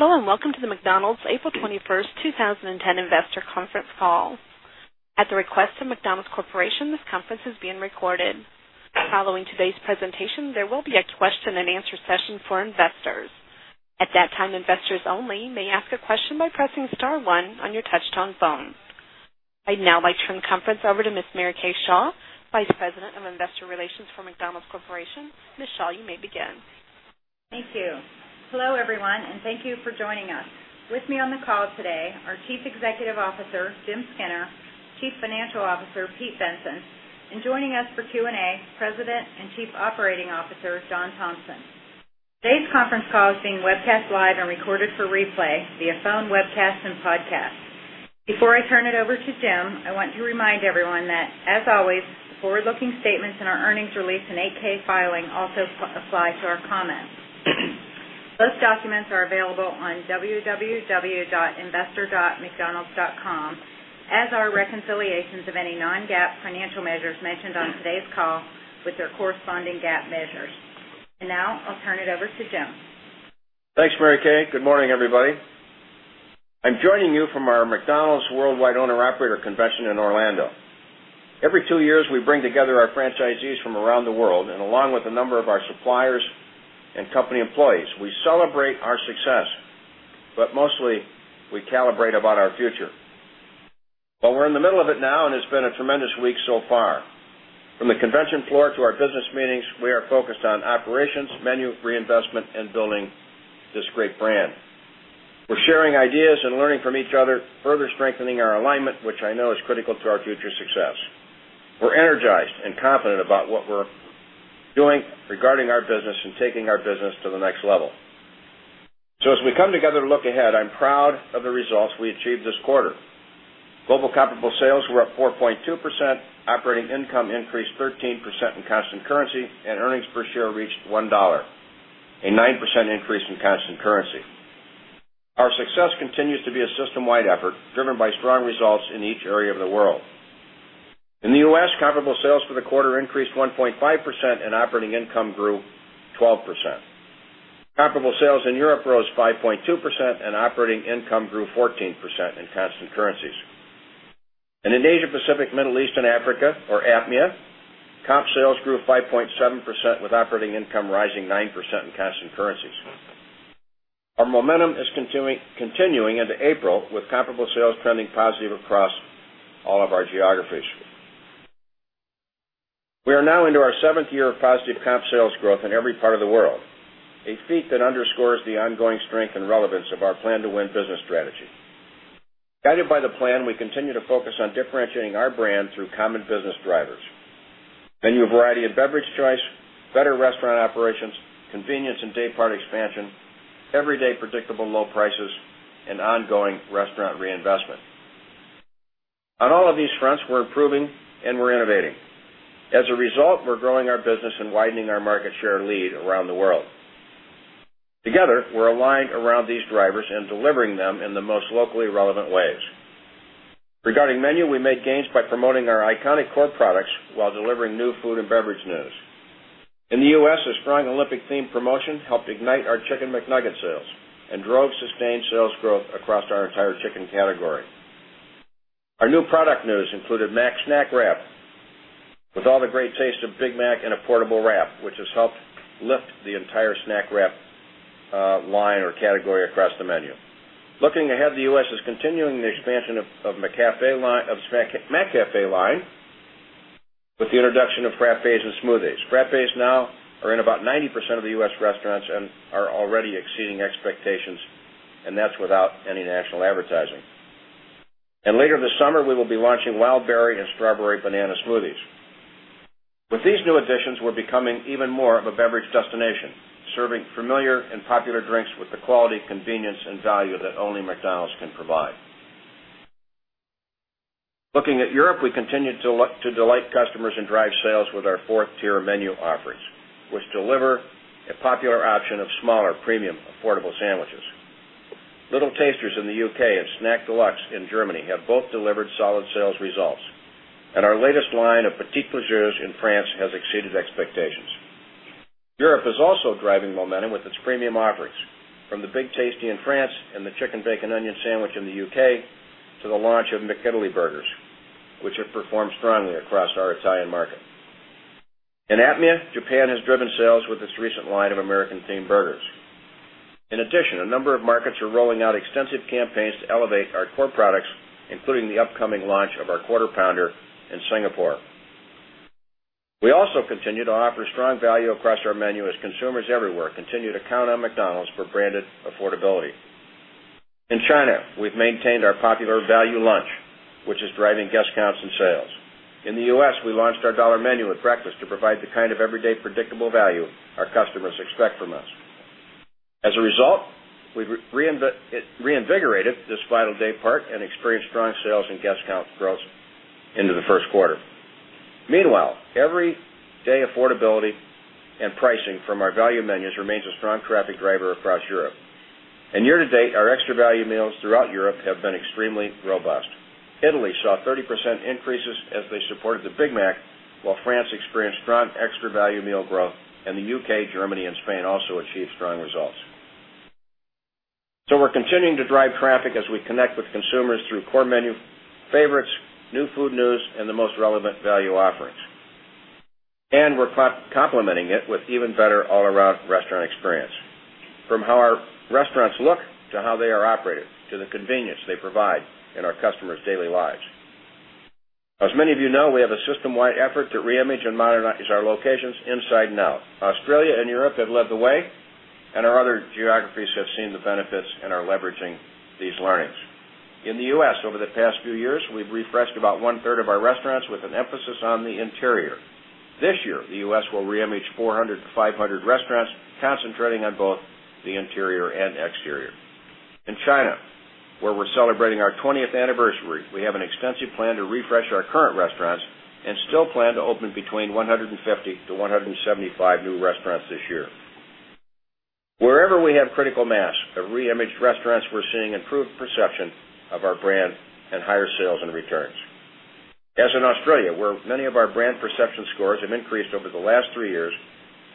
And welcome to the McDonald's April 21, 2010 Investor Conference Call. At the request of McDonald's Corporation, this conference is being recorded. Following today's presentation, there will be a question and answer session for investors. I'd now like to turn the conference over to Ms. Mary Kay Shaw, Vice President of Investor Relations for McDonald's Corporation. Ms. Shaw, you may begin. Thank you. Hello, everyone, and thank you for joining us. With me on the call today are Chief Executive Officer, Jim Skinner Chief Financial Officer, Pete Benson and joining us for Q and A, President and Chief Operating Officer, John Thompson. Today's conference call is being webcast live and recorded for replay via phone, webcast and podcast. Before I turn it over to Jim, I want to remind everyone that as always, forward looking statements in our earnings release and 8 ks filing also apply to our comments. Those documents are available on www.investor.mcdonalds.com as are reconciliations of any non GAAP financial measures mentioned on today's call with their corresponding GAAP measures. And now, I'll turn it over to Jim. Thanks, Mary Kay. Good morning, everybody. I'm joining you from our McDonald's Worldwide Owner Operator Convention in Orlando. Every 2 years, we bring together our franchisees from around the world and along with a number of our suppliers and company employees, we celebrate our success, but mostly we calibrate about our future. But we're in the middle of it now and it's been a tremendous week so far. From the convention floor to our business meetings, we are focused on operations, menu reinvestment and building this great brand. We're sharing ideas and learning from each other further strengthening our alignment, which I know is critical to our future success. We're energized and confident about what we're doing regarding our business and taking our business to the next level. So as we come together to look ahead, I'm proud of the results we achieved this quarter. Global comparable sales were up 4.2 percent, operating income increased 13% in constant currency and earnings per share reached $1 a 9% increase in constant currency. Our success continues to be a system wide effort driven by strong results in each area of the world. In the U. S, comparable sales for the quarter increased 1.5% and operating income grew 12%. Comparable sales in Europe rose 5.2% and operating income grew 14 percent in constant currencies. And in Asia Pacific, Middle East and Africa or APMEA comp sales grew 5.7% with operating income rising 9% in constant currencies. Our momentum is continuing into April with comparable sales trending positive across all of our geographies. We are now into our 7th year of positive comp sales growth in every part of the world, a feat that underscores the ongoing strength and relevance of our plan to win business strategy. Guided by the plan, we continue to focus on differentiating our brand through common business drivers: menu variety of beverage choice, better restaurant operations, convenience and daypart expansion, everyday predictable low prices and ongoing restaurant reinvestment. On all of these fronts, we're improving and we're innovating. As a result, we're growing our business and widening our market share lead around the world. Together, we're aligned around these drivers and delivering them in the most locally relevant ways. Regarding menu, we made gains by promoting our iconic core products, while delivering new food and beverage news. In the U. S, a strong Olympic themed promotion helped ignite our Chicken McNuggets sales and drove sustained sales growth across our entire chicken category. Our new product news included Mac Snack Wrap with all the great taste of Big Mac and a portable wrap which has helped lift the entire snack wrap line or category across the menu. Looking ahead, the U. S. Is continuing the expansion of McCafe line with the introduction of frappes and smoothies. Frappes now are in about 90% of the U. S. Restaurants and are already exceeding expectations and that's without any national advertising. And later this summer, we will be launching Wild Berry and Strawberry Banana Smoothies. With these new additions, we're becoming even more of a beverage destination, serving familiar and popular drinks with the quality, convenience and value that only McDonald's can provide. Looking at Europe, we continue to delight customers and drive sales with our 4th tier menu offerings, which deliver a popular option of smaller premium affordable sandwiches. Little Tasters in the U. K. And Snack Deluxe in Germany have both delivered solid sales results. And our latest line of Petite Le Jeurs in France has exceeded expectations. Europe is also driving momentum with its premium offerings from the Big Tasty in France and the chicken bacon onion sandwich in the U. K. To the launch of McItaly burgers, which have performed strongly across our Italian market. In APMEA, Japan has driven sales with its recent line of American themed burgers. In addition, a number of markets are rolling out extensive campaigns to elevate our core products including the upcoming launch of our Quarter Pounder in Singapore. We also continue to offer strong value across our menu as consumers everywhere continue to count on McDonald's for branded affordability. In China, we've maintained our popular value lunch, which is driving guest counts and sales. In the U. S, we launched our Dollar Menu with breakfast to provide the kind of everyday predictable value our customers expect from us. As a result, we reinvigorated this final daypart and experienced strong sales and guest count growth into the Q1. Meanwhile, everyday affordability and pricing from our value menus remains a strong traffic driver across Europe. And year to date, our extra value meals throughout Europe have been extremely robust. Italy saw 30% increases as they supported the Big Mac, while France experienced strong extra value meal growth and the U. K, Germany and Spain also achieved strong results. So we're continuing to drive traffic as we connect with consumers through core menu favorites, new food news and the most relevant value offerings. And we're complementing it with even better all around restaurant experience from how our restaurants look to how they are operated to the convenience they provide in our customers' daily lives. As many of you know, we have a system wide effort to re image and modernize our locations inside and out. Australia and Europe have led the way and our other geographies have seen the benefits and are leveraging these learnings. In the U. S, over the past few years, we've refreshed about 1 third of our restaurants with an emphasis on the interior. This year, the U. S. Will reimage 400 to 500 restaurants concentrating on both the interior and exterior. In China, where we're celebrating our 20th anniversary, we have an extensive plan to refresh our current restaurants and still plan to open between 150 to 175 new restaurants this year. Wherever we have critical mass of re imaged restaurants, we're seeing improved perception of our brand and higher sales and returns. As in Australia, where many of our brand perception scores have increased over the last 3 years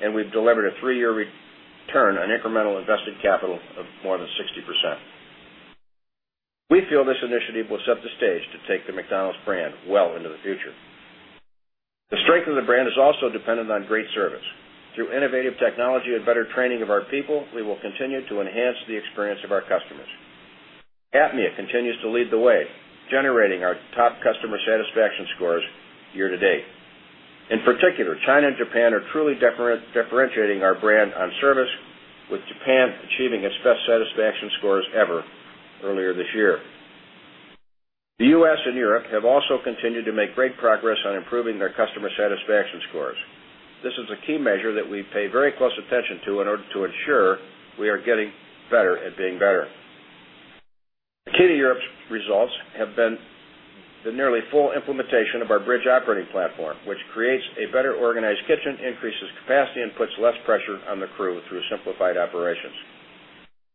and we've delivered a 3 year return on incremental invested capital of more than 60%. We feel this initiative will set the stage to take the McDonald's brand well into the future. The strength of the brand is also dependent on great service. Through innovative technology and better training of our people, we will continue to enhance the experience of our customers. APMEA continues to lead the way, generating our top customer satisfaction scores year to date. In particular, China and Japan are truly differentiating our brand on service with Japan achieving its best satisfaction scores ever earlier this year. The U. S. And Europe have also continued to make great progress on improving their customer satisfaction scores. This is a key measure that we pay very close attention to in order to ensure we are getting better at being better. Akita Europe's results have been the nearly full implementation of our Bridge operating platform, which creates a better organized kitchen, increases capacity and puts less pressure on the crew through simplified operations.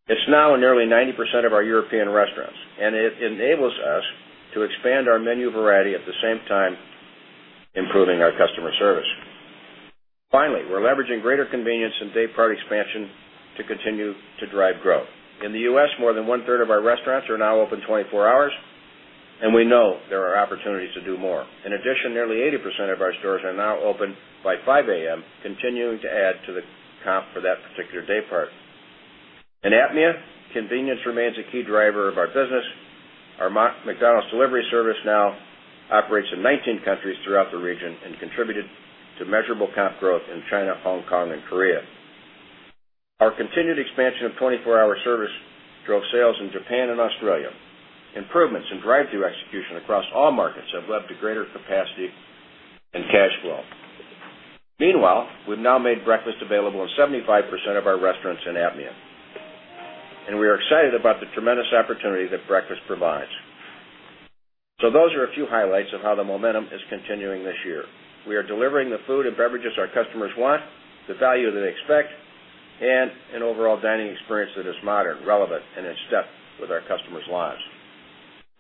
It's now nearly 90% of our European restaurants and it enables us to expand our menu variety at the same time improving our customer service. Finally, we're leveraging greater convenience and daypart expansion to continue to drive growth. In the U. S, more than 1 third of our restaurants are now open 24 hours and we know there are opportunities to do more. In addition, nearly 80% of our stores are now open by 5 a. M. Continuing to add to the comp for that particular daypart. In APMEA, convenience remains a key driver of our business. Our McDonald's delivery service now operates in 19 countries throughout the region and contributed to measurable comp growth in China, Hong Kong and Korea. Our continued expansion of 24 hour service drove sales in Japan and Australia. Improvements in drive thru execution across all markets have led to greater capacity and cash flow. Meanwhile, we've now made breakfast available in 75% of our restaurants in APMEA. And we are excited about the tremendous opportunity that breakfast provides. So those are a few highlights of how the momentum is continuing this year. We are delivering the food and beverages our customers want, the value they expect and an overall dining experience that is modern, relevant and in step with our customers' lives.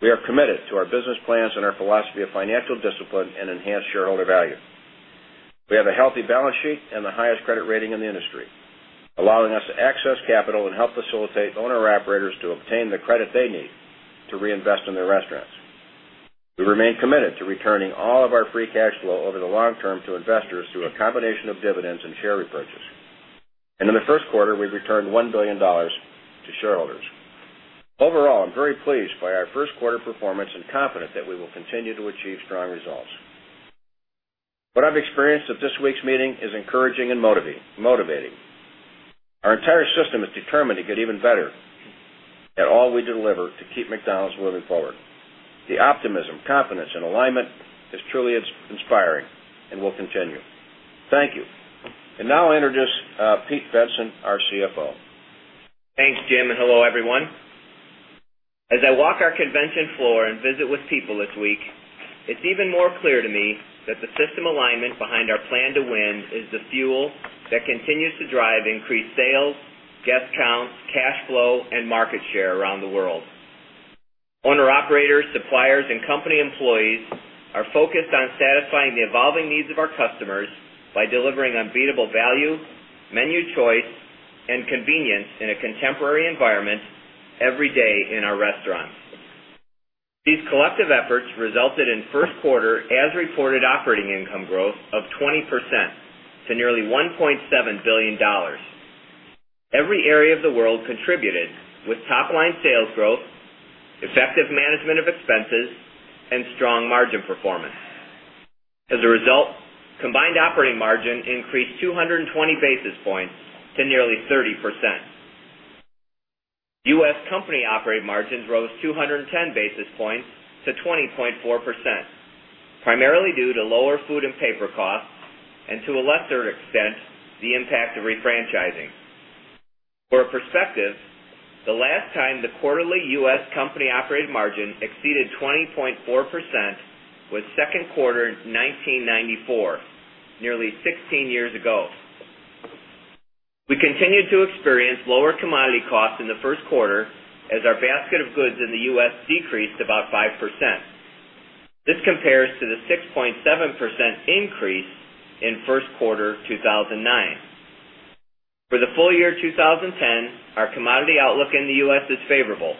We are committed to our business plans and our philosophy of financial discipline and enhanced shareholder value. We have a healthy balance sheet and the highest credit rating in the industry, allowing us to access capital and help facilitate owner operators to obtain the credit they need to reinvest in their restaurants. We remain committed to returning all of our free cash flow over the long term to investors through a combination of dividends and share repurchase. And in the Q1, we returned $1,000,000,000 to shareholders. Overall, I'm very pleased by our Q1 performance and confident that we will continue to achieve strong results. What I've experienced at this week's meeting is encouraging and motivating. Our entire system is determined to get even better at all we deliver to keep McDonald's moving forward. The optimism, confidence and alignment is truly inspiring and will continue. Thank you. And now I'll introduce Pete Benson, our CFO. Thanks, Jim, and hello, everyone. As I walk our convention floor and visit with people this week, it's even more clear to me that the system alignment behind our plan to win is the fuel that continues to drive increased sales, guest counts, cash flow and market share around the world. Owner operators, suppliers and company employees are focused on satisfying the evolving needs of our customers by delivering unbeatable value, menu choice and convenience in a contemporary environment every day in our restaurants. These collective efforts resulted in 1st quarter as reported operating income growth of 20% to nearly $1,700,000,000 Every area of the world contributed with top line sales growth, effective management of expenses and strong margin performance. As a result, combined operating margin increased 220 basis points to nearly 30%. U. S. Company operating margins rose 210 basis points to 20.4%, primarily due to lower food and paper costs and to a lesser extent the impact of refranchising. For a perspective, the last time the quarterly U. S. Company operated margin exceeded 20.4% was Q2 1994, nearly 16 years ago. We continued to experience lower commodity costs in the Q1 as our basket of goods in the U. S. Decreased about 5%. This compares to the 6.7% increase in Q1 2019. For the full year 2010, our commodity outlook in the U. S. Is favorable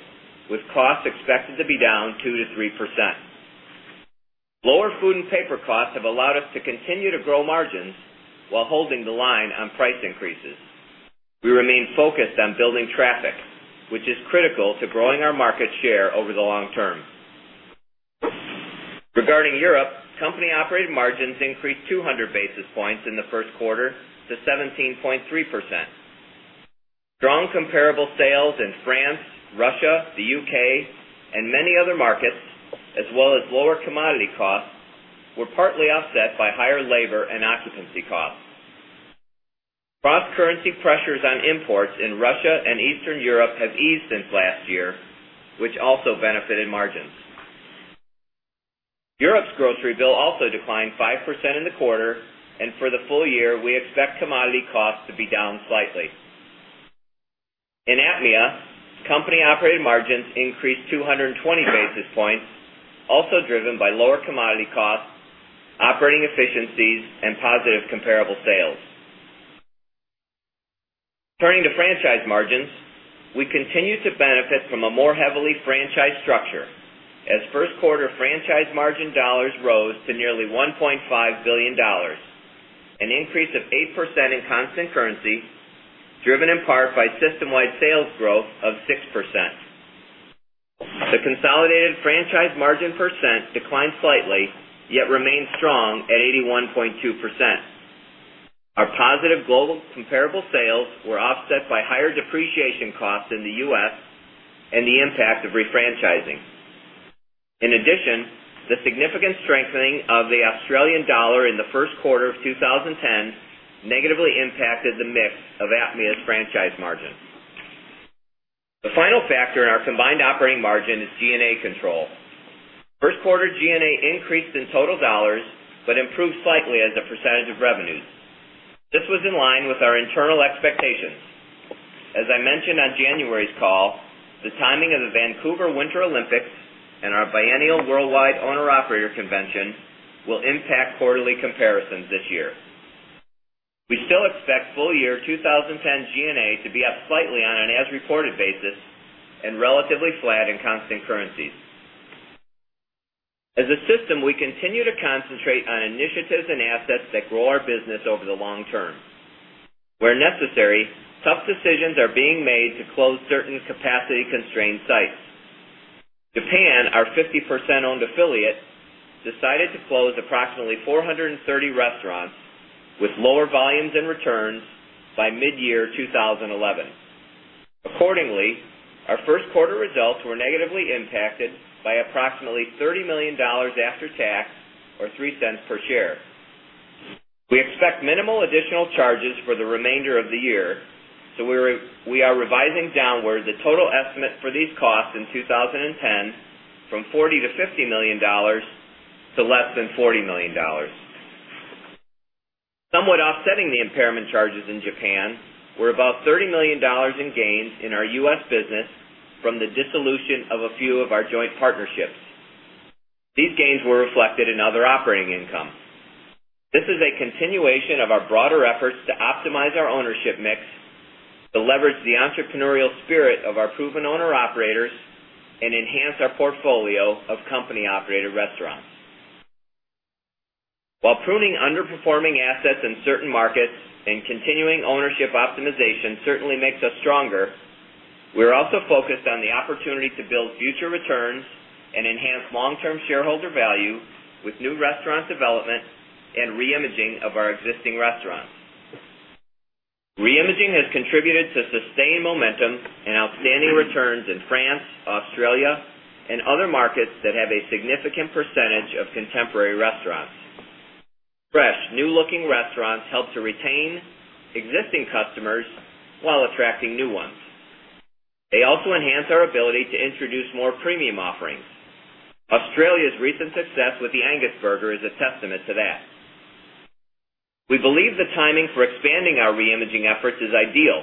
with costs expected to be down 2% to 3%. Lower food and paper costs have allowed us to continue to grow margins, while holding the line on price increases. We remain focused on building traffic, which is critical to growing our market share over the long term. Regarding Europe, company operated margins increased 200 basis points in the Q1 to 17.3%. Strong comparable sales in France, Russia, the U. K. And many other markets as well as lower commodity costs were partly offset by higher labor and occupancy costs. Cross currency pressures on imports in Russia and Eastern Europe have eased since last year, which also benefited margins. Europe's grocery bill also declined 5% in the quarter and for the full year we expect commodity costs to be down slightly. In APMEA, company operated margins increased 2 20 basis basis points also driven by lower commodity costs, operating efficiencies and positive comparable sales. Turning to franchise margins. We continue to benefit from a more heavily franchised structure as first quarter franchise margin dollars rose to nearly $1,500,000,000 an increase of 8% in constant currency, driven in part by system wide sales growth of 6%. The consolidated franchise margin percent declined slightly, yet remained strong at 81.2%. Our positive global comparable sales were offset by higher depreciation costs in the U. S. And the impact of refranchising. In addition, the significant strengthening of the Australian dollar in the Q1 of 2010 negatively impacted the mix of APMEA's franchise margin. The final factor in our combined operating margin is G and A control. 1st quarter G and A increased in total dollars, but improved slightly as a percentage of revenues. This was in line with our internal expectations. As I mentioned on January's call, the timing of the Vancouver Winter Olympics and our biennial worldwide owner operator convention will impact quarterly comparisons this year. We still expect full year 20 10 G and A to be up slightly on an as reported basis and relatively flat in constant currencies. As a system, we continue to concentrate on initiatives and assets that grow our business over the long term. Where necessary, tough decisions are being made to close certain capacity constrained sites. Japan, our 50% owned affiliate decided to close approximately 430 restaurants with lower volumes and returns by mid year 2011. Accordingly, our Q1 results were negatively impacted by approximately $30,000,000 after tax or $0.03 per share. We expect minimal additional charges for the remainder of the year. So we are revising downward the total estimate for these costs in 2010 from $40,000,000 to $50,000,000 to less than $40,000,000 Somewhat offsetting the impairment charges in Japan were about $30,000,000 in gains in our U. S. Business from the dissolution of a few of our joint partnerships. These gains were reflected in other operating income. This is a continuation of our broader efforts to optimize our ownership mix, to leverage the entrepreneurial spirit of our proven owner operators and enhance our portfolio of company operated restaurants. While pruning underperforming assets in certain markets and continuing ownership optimization certainly makes us stronger, we're also focused on the opportunity to build future returns and enhance long term shareholder value with new restaurant development and reimaging of our existing restaurants. Reimaging has contributed to sustained momentum and outstanding returns in France, Australia and other markets that have a significant percentage of contemporary restaurants. Fresh new looking restaurants help to retain existing customers while attracting new ones. They also enhance our ability to introduce more premium offerings. Australia's recent success with the Angus Burger a testament to that. We believe the timing for expanding our reimaging efforts is ideal.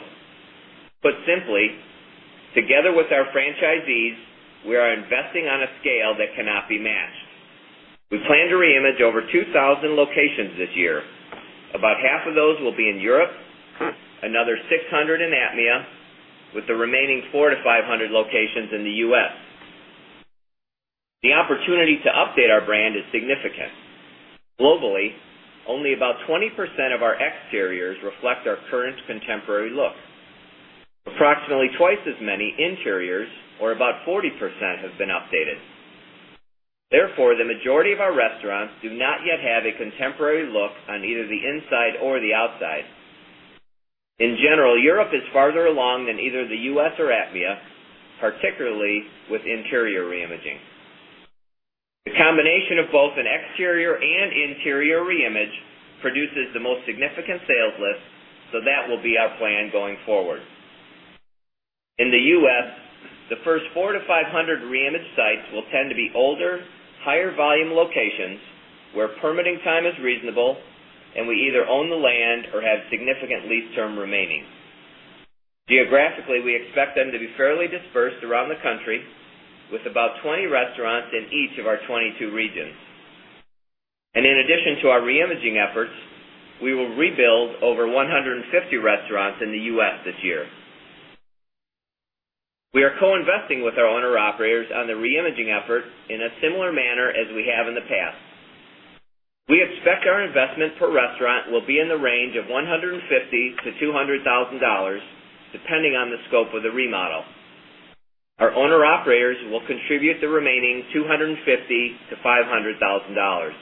Put simply, together with our franchisees, we are investing on a scale that cannot be matched. We plan to re image over 2,000 locations this year. About half of those will be in Europe, another 600 in APMEA with the remaining 400 to 500 locations in the U. S. The opportunity to update our brand is significant. Globally, only about 20% of our exteriors reflect our current contemporary look. Approximately twice as many interiors or about 40% have been updated. Therefore, the majority of our restaurants do not yet have a contemporary look on either the inside or the outside. In general, Europe is farther along than either the U. S. Or APMEA, particularly with interior reimaging. The combination of both an exterior and interior reimage produces the most significant sales list, so that will be our plan going forward. In the U. S, the first 400 to 500 reimage sites will tend to be older, higher volume locations where permitting time is reasonable and we either own the land or have significant lease term remaining. Geographically, we expect them to be fairly dispersed around the country with about 20 restaurants in each of our 22 regions. And in addition to our reimaging efforts, we will rebuild over 150 restaurants in the U. S. This year. We are co investing with our owner operators on the reimaging effort in a similar manner as we have in the past. We expect our investment per restaurant will be in the range of $150,000 to $200,000 depending on the scope of the remodel. Our owner operators will contribute the remaining $250,000 to $500,000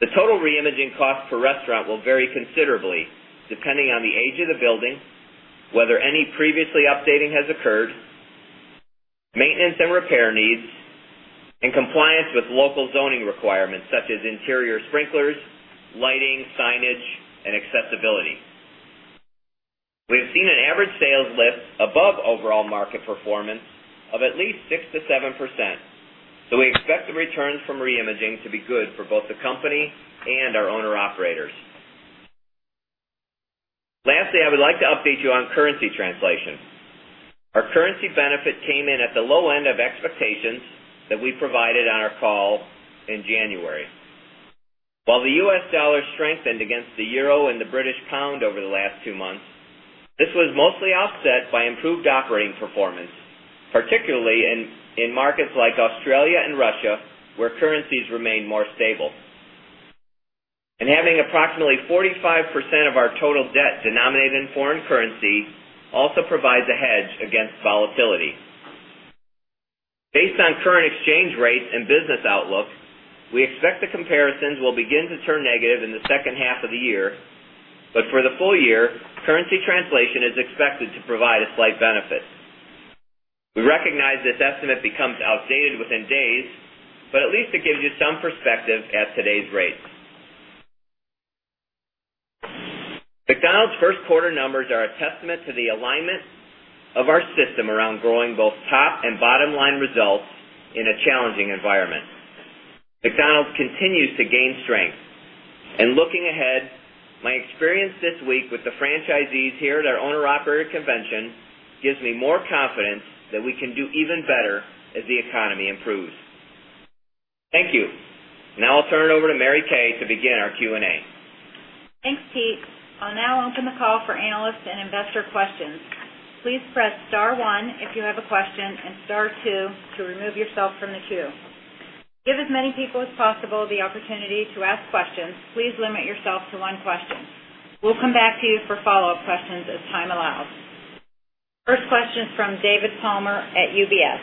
The total reimaging cost per restaurant will vary considerably depending on the age of the building, whether any previously updating has occurred, maintenance and repair needs and compliance with local zoning requirements such as interior sprinklers, lighting, signage and accessibility. We have seen an average sales lift above overall market performance of at least 6% to 7%. We expect the returns from reimaging to be good for both the company and our owner operators. Lastly, I would like to update you on currency translation. Our currency benefit came in at the low end of expectations that we provided on our call in January. While the U. S. Dollar strengthened against the euro and the British pound over the last 2 months, this was mostly offset by improved operating performance, particularly in markets like Australia and Russia, where currencies remain more stable. And having approximately 45% of our total debt denominated in foreign currency also provides a hedge against volatility. Based on current exchange rates and business outlook, we expect the comparisons will begin to turn negative in the second half of the year. But for the full year, currency translation is expected to provide a slight benefit. We recognize this estimate becomes outdated within days, but at least it gives you some perspective at today's rates. McDonald's Q1 numbers are a testament to the alignment of our system around growing both top and bottom line results in a challenging environment. McDonald's continues to gain strength. And looking ahead, my experience this week with the franchisees here at our owner operator convention gives me more confidence that we can do even better as the economy improves. Thank you. Now I'll turn it over to Mary Kay to begin our Q and A. Thanks, Pete. I'll now open the call for analysts and investor questions. First question is from David Palmer at UBS.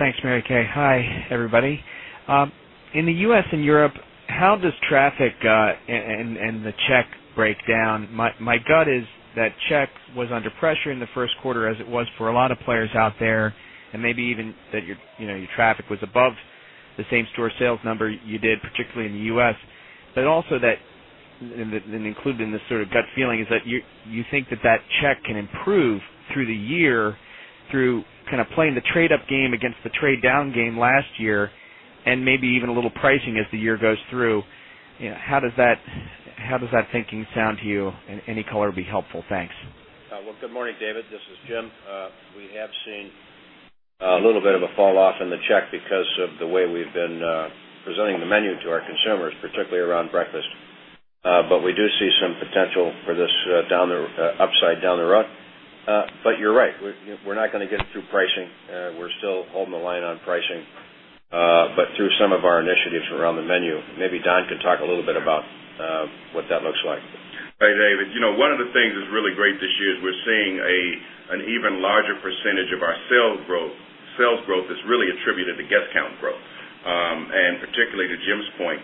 Thanks, Mary Kay. Hi, everybody. In the U. S. And Europe, how does traffic and the check breakdown? My gut is that check was under pressure in the Q1 as it was for a lot of players out there and maybe even that your traffic was above the same store sales number you did particularly in the U. S. But also that and included in this sort of gut feeling is that you think that that check can improve through the year through kind of playing the trade up game against the trade down game last year and maybe even a little pricing as the year goes through. How does that thinking sound to you? Any color would be helpful. Thanks. Well, good morning, David. This is Jim. We have seen a little bit of a falloff in the check because of the way we've been presenting the menu to our consumers particularly around breakfast. But we do see some potential for this down the upside down the road. But you're right. We're not going to get through pricing. We're still holding the line on pricing. But through some of our initiatives around the menu maybe Don can talk a little bit about what that looks like. Hi, David. One of the things that's really great this year is we're seeing an even larger percentage of our sales growth. Sales growth is really attributed to guest count growth. And particularly to Jim's point,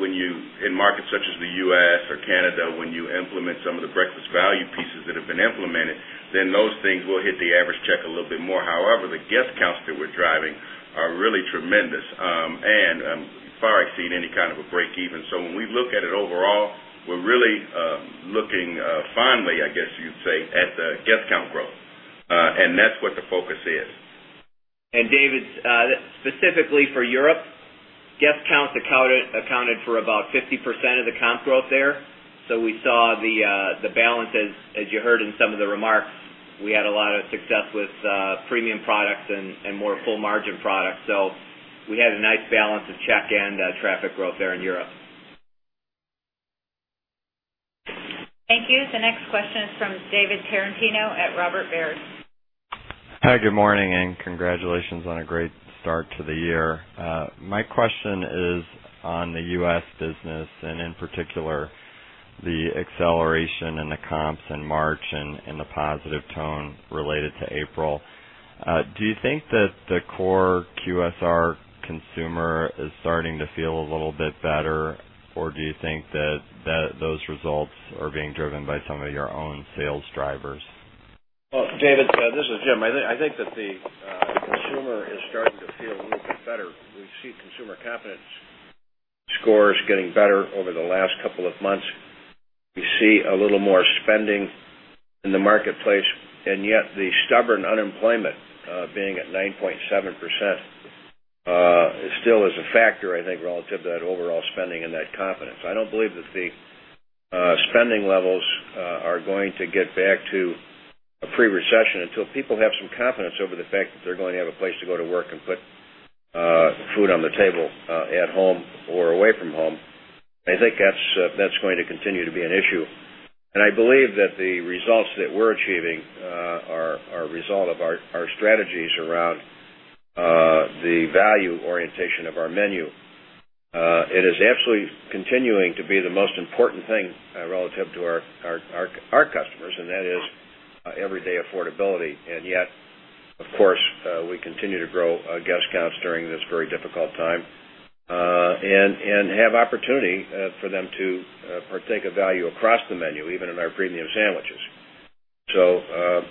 when you in markets such as the U. S. Or Canada, when you implement some of the breakfast value pieces that have been implemented, then those things will hit the average check a little bit more. However, the guest counts that we're driving are really tremendous and far exceed any kind of a breakeven. So when we look at it overall, we're really looking finally, I guess you'd say, at the guest count growth. And that's what the focus is. And David, specifically for Europe, guest count accounted for about 50% of the comp growth there. So we saw the balance as you heard in some of the remarks. We had a lot of success with premium products and more full margin products. So we had a nice balance of check and traffic growth there in Europe. Thank you. The next question is from David Tarantino at Robert Baird. Hi, good morning and congratulations on a great start to the year. My question is on the U. S. Business and in particular the acceleration in the comps in March and the positive tone related to April. Do you think that the core QSR consumer is starting to feel a little bit better? Or do you think that those results are being driven by some of your own sales drivers? David, this is Jim. I think that the consumer is starting to feel a little bit better. We see consumer confidence scores getting better over the last couple of months. We see a little more spending in the marketplace and yet the stubborn unemployment being at 9.7% still is a factor I think relative to that overall spending and that confidence. I don't believe that the spending levels are going to get back to a pre recession until people have some confidence over the fact that they're going to have a place to go to work and put food on the table at home or away from home. I think that's going to continue to be an issue. And I believe that the results that we're achieving are a result of our strategies around the value orientation of our menu. It is absolutely continuing to be the most important thing relative to our customers and that is everyday affordability. And yet, of course, we continue to grow our guest counts during this very difficult time and have opportunity for them to partake of value across the menu even in our premium sandwiches. So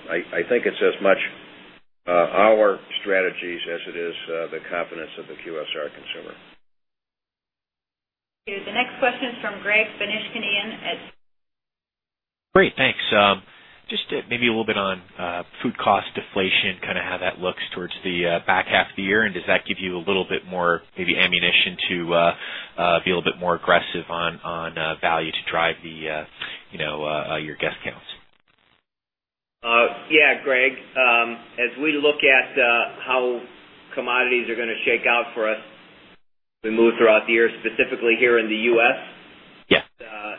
I think it's as much our strategies as it is the confidence of the QSR consumer. The next question is from Greg Benishkanian at Stifel. Great. Thanks. Just maybe a little bit on food cost deflation kind of how that looks towards the back half of the year? And does that give you a little bit more maybe ammunition to be a little bit more aggressive on value to drive your guest counts? Yes, Greg. As we look at how commodities are going to shake out for us, we move throughout the year specifically here in the U. S. Yes.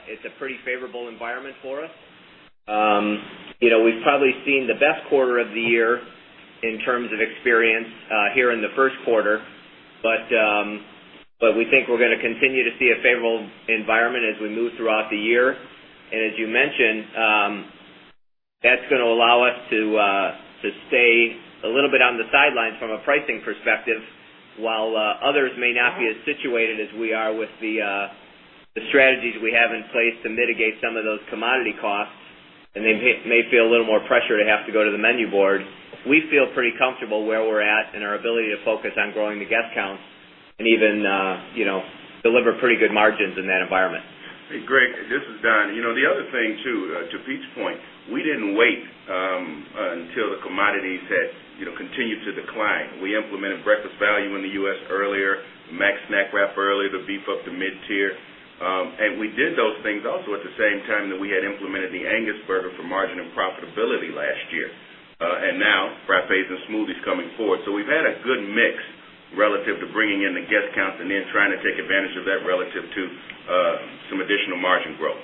It's a pretty favorable environment for us. We've probably seen the best quarter of the year in terms of experience here in the Q1. But we think we're going to continue to see a favorable environment as we move throughout the year. And as you mentioned, that's going to allow us to stay a little bit on the sidelines from a pricing perspective, while others may not be as situated as we are with the strategies we have in place to mitigate some of those commodity costs and they may feel a little more pressure to have to go to the menu board. We feel pretty comfortable where we're at in our ability to focus on growing the guest count and even deliver pretty good margins in that environment. Greg, this is Don. The other thing too to Pete's point, we didn't wait until the commodities had continued to decline. We implemented breakfast value in the U. S. Earlier, max snack wrap earlier to beef up to mid tier. And we did those things also at the same time that we had implemented the Angus Burger for margin and profitability last year. And now frappes and smoothies coming forward. So we've had a good mix relative to bringing in the guest count and then trying to take advantage of that relative to some additional margin growth.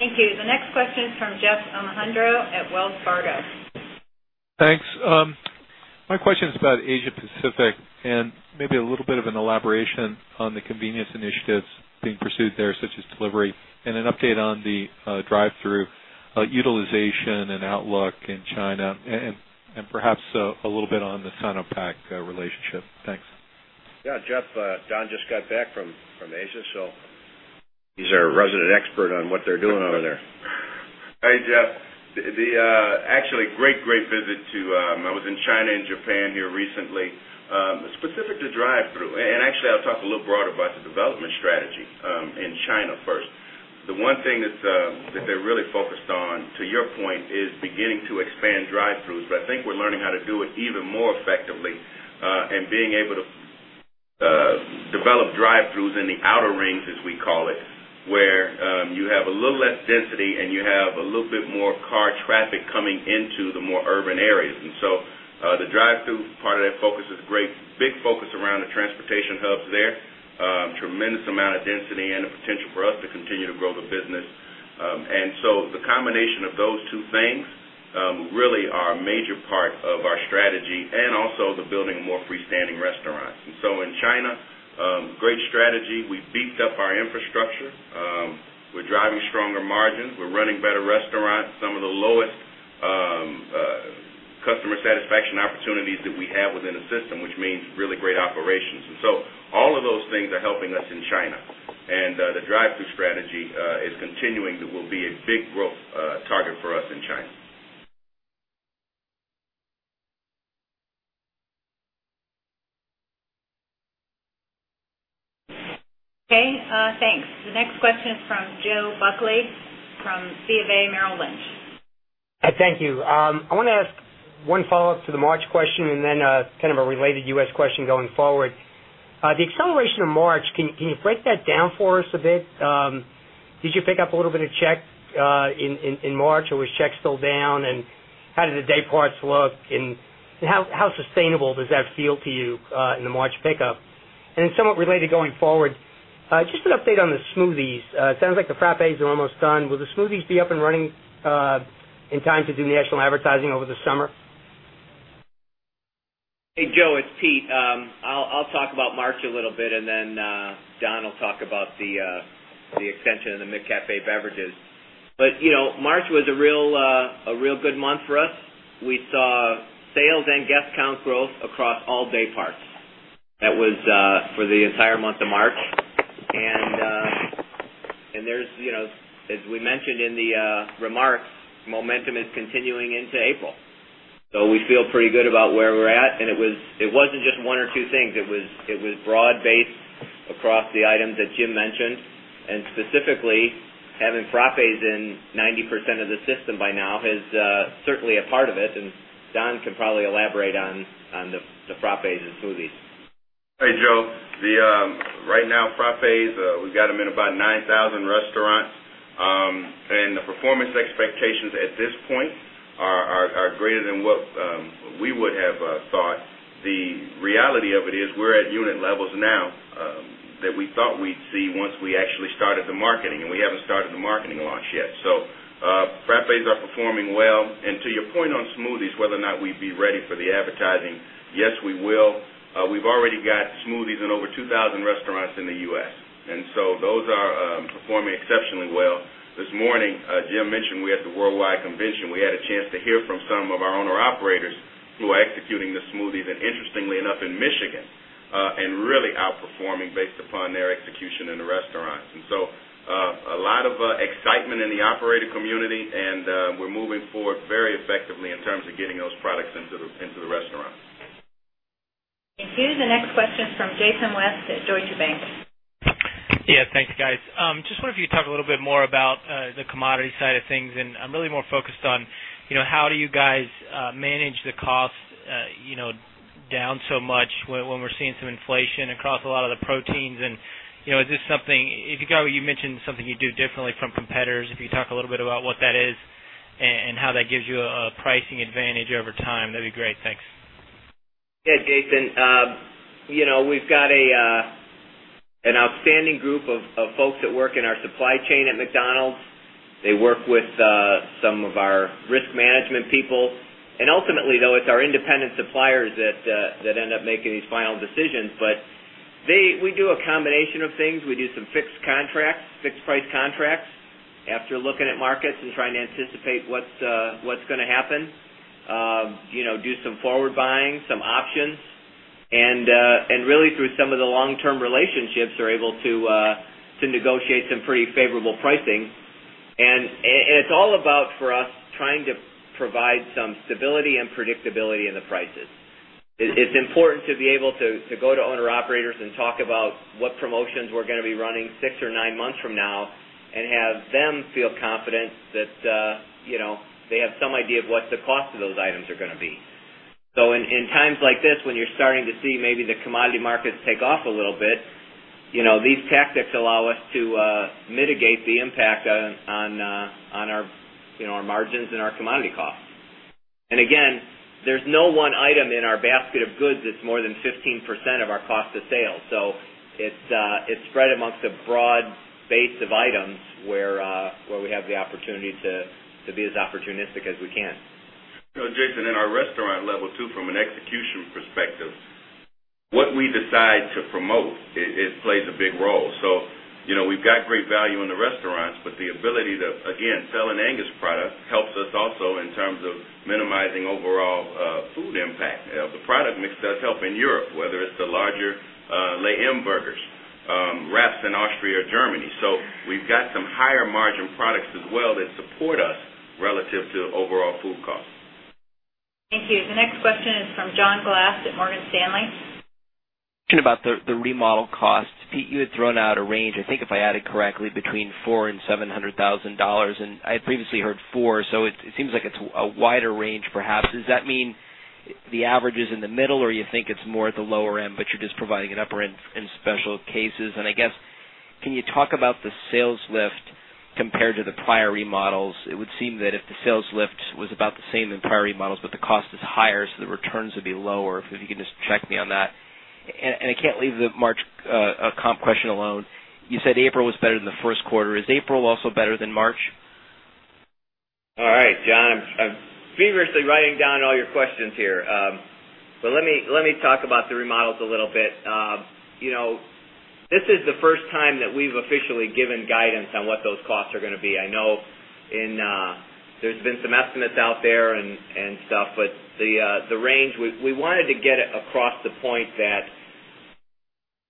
Thank you. The next question is from Jeff Alejandro at Wells Fargo. Thanks. My question is about Asia Pacific and maybe a little bit of an elaboration on the convenience initiatives being pursued there such as delivery? And an update on the drive thru utilization and outlook in China? And perhaps a little bit on the Sinopac relationship? Thanks. Yes, Jeff. Don just got back from Asia. So he's our resident expert on what they're doing over there. Hi, Jeff. The actually great, great visit to I was in China and Japan here recently specific to drive thru. And actually I'll talk a little broader about the development strategy in China first. The one thing that they're really focused on to your point is beginning to expand drive thrus. But I think we're learning how to do it even more effectively and being able to develop drive thrus in the outer rings as we call it where you have a little less density and you have a little bit more car traffic coming into the more urban areas. And so the drive thru part of that focus is a great big focus around the transportation hubs there, tremendous amount of density and the potential for us to continue to grow the business. And so the combination of those two things really are a major part of our strategy and also the building more freestanding restaurants. And so in China, great strategy. We've beefed up our infrastructure. We're driving stronger margins. We're running better restaurants. Some of the lowest customer satisfaction opportunities that we have within the system, which means really great operations. And so all of those things are helping us in China. And the drive thru strategy is continuing that will be a big growth target for us in China. Okay. Thanks. Next question is from Joe Buckley from C of A Merrill Lynch. Thank you. I want to ask one follow-up to the March question and then a related U. S. Question going forward. The acceleration of March, can you break that down for us a bit? Did you pick up a little bit of check in March? Or was Chek still down? And how did the dayparts look? And how sustainable does that feel to you in the March pickup? And somewhat related going forward, just an update on the smoothies. It sounds like the frappes are almost done. Will the smoothies be up and running in time to do national advertising over the summer? Hey, Joe, it's Pete. I'll talk about March a little bit and then Don will talk about the extension of the Mid Cap A Beverages. But March was a real good month for us. We saw sales and guest count growth across all dayparts. That was for the entire month of March. And there's as we mentioned in the remarks, momentum is continuing into April. So we feel pretty good about where we're at. And it wasn't just 1 or 2 things. It was broad based across the items that Jim mentioned. And specifically having frappes in 90% of the system by now is certainly a part of it. And Don can probably elaborate on the frappes and smoothies. Hey, Joe. The right now frappes, we've got them in about 9,000 restaurants. And the performance expectations at this point are greater than what we would have thought. The reality of it is we're at unit levels now that we thought we'd see once we actually started the marketing and we haven't started the marketing launch yet. So, frappes are performing well. And to your point on smoothies whether or not we'd be ready for the advertising, yes, we will. We've already got smoothies in over 2,000 restaurants in the U. S. And so those are performing exceptionally well. This morning, Jim mentioned we at the worldwide convention we had a chance to hear from some of our owner operators who are executing the smoothies and interestingly enough in Michigan and really outperforming based upon their execution in the restaurants. And so a lot of excitement in the operator community and we're moving forward very effectively in terms of getting those products into the talk a little talk a little bit more about the commodity side of things. And I'm really more focused on how do you guys manage the cost down so much when we're seeing some inflation across a lot of the proteins? And is this something if you got what you do differently from competitors. If you could talk a little bit about what that is and how that gives you a pricing advantage over time that would be great? Thanks. Yes, Jason. We've got an outstanding group of folks that work in our supply chain at McDonald's. They work with some of our risk management people. And ultimately though it's our independent suppliers that end up making these final decisions. But they we do a combination of things. We do some fixed contracts, fixed price contracts after looking at markets and trying to anticipate what's going to happen, do some forward buying, some options. And really through some of the long term relationships are able to negotiate some pretty favorable pricing. And it's all about for us trying to provide some stability and predictability in the prices. It's important to be able to go to owner operators and talk about what promotions we're going to be running 6 or 9 months from now and have them feel confident that they have some idea of what the cost of those items are going to be. So in times like this when you're starting to see maybe the commodity markets take off a little bit, these tactics allow us to mitigate the impact on our margins and our commodity costs. And again, there's no one item in our basket of goods that's more than 15% of our cost of sales. So it's spread amongst the broad base of items where we have the opportunity to be as opportunistic as we can. Jason in our restaurant level too from an execution perspective, what we decide to promote plays a big role. So we've got great value in the restaurants, but the ability to again sell an Angus product helps us also in terms of minimizing overall food impact. The product mix does help in Europe whether it's the larger, Leh hamburgers, wraps in Austria or Germany. So we've got some higher margin products as well that support us relative to overall food costs. The next question is from John Glass at Morgan Stanley. About the remodel costs. Pete, you had thrown out a range, I think if I had it correctly, between $400,000 and seven $100,000 and I had previously heard $400,000 So it seems like it's a wider range perhaps. Does that mean the average is in the middle or you think it's more at the lower end, but you're just providing an upper end in special cases? And I guess can you talk about the sales lift compared to the prior remodels? It would seem that if the sales lift was about the same in prior remodels, but the cost is higher, so the returns would be lower. If you can just check me on that. And I can't leave the March comp question alone. You said April was better than the Q1. Is April also better than March? All right, John. I'm feverishly writing down all your questions here. But let me talk about the remodels a little bit. This is the first time that we've officially given guidance on what those costs are going to be. I know in there's been some estimates out there and stuff. But the range we wanted to get across the point that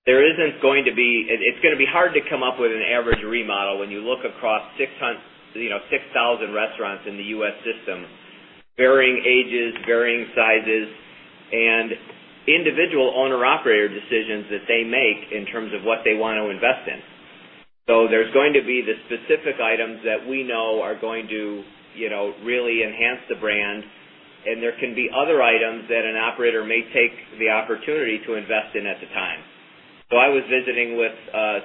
there isn't going to be it's going to be hard to come up with an average remodel when you look across 6,000 restaurants in the U. S. System, varying ages, varying sizes and individual owner operator decisions that they make in terms of what they want to invest in. So there's going to be the specific items that we know are going to really enhance the brand and there can be other items that an operator may take the opportunity to invest in at the time. So I was visiting with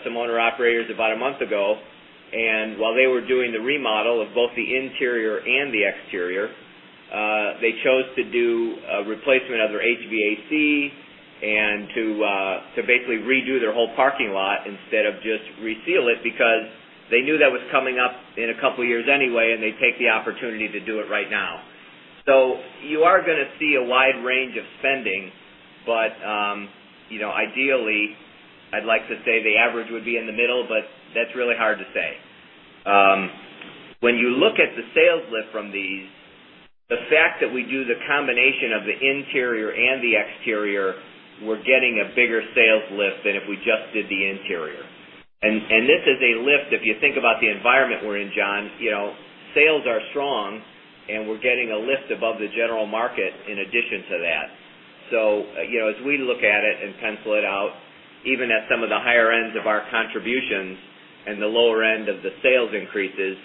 some owner operators about a month ago and while they were doing and to basically redo their whole parking lot instead and to basically redo their whole parking lot instead of just reseal it because they knew that was coming up in a couple of years anyway and they take the opportunity to do it right now. So you are going to see a wide range of spending, but ideally I'd like to say the average would be in the middle, but that's really hard to say. When you look at the sales lift from these, the fact that we do the combination of the interior and the exterior, we're getting a bigger sales lift than if we just did the interior. And this is a lift if you think about the environment we're in John, sales are strong and we're getting a lift above the general market in addition to that. So as we look at it and pencil it out, even at some of the higher ends of our contributions and the lower end of the sales increases,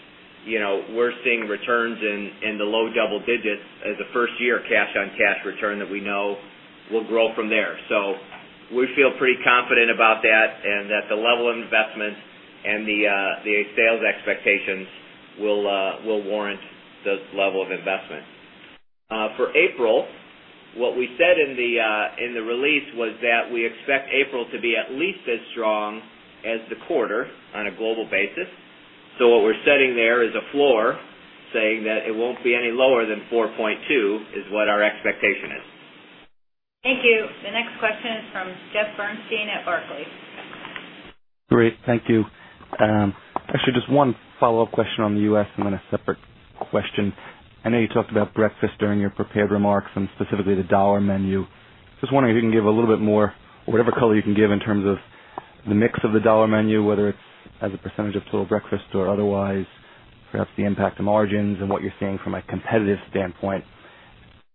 we're seeing returns in the low double digits as a 1st year cash on cash return that we know will grow from there. So we feel pretty confident about that and that the level of investment and the sales expectations will warrant those level of investment. For April, what we said in the release was that we expect April to be at least as strong as the quarter on a global basis. So what we're setting there is a floor saying that it won't be any lower than 4.2 is what our expectation is. Thank you. The next question is from Jeff Bernstein at Barclays. Great. Thank you. Actually just one follow-up question on the U. S. And then a separate question. I know you talked about breakfast during your prepared remarks and specifically the dollar menu. Just wondering if you can give a little bit more whatever color you can give in terms of the mix of the Dollar Menu whether it's as a percentage of total breakfast or otherwise perhaps the impact to margins and what you're seeing from a competitive standpoint?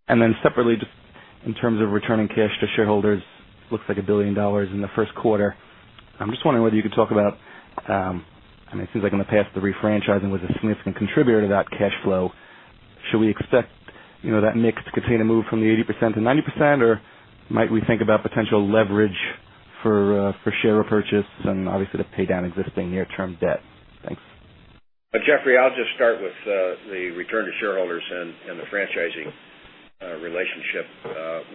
And then separately just in terms of returning cash to shareholders, it looks like $1,000,000,000 in the Q1. I'm just wondering whether you could talk about I mean, it seems like in the past the refranchising was a significant contributor to that cash flow. Should we expect that mix to continue to move from the 80% to 90%? Or might we think about potential leverage for share repurchase and obviously to pay down existing near term debt? Thanks. Jeffrey, I'll just start with the return to shareholders and the franchising relationship.